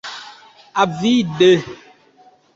Avide.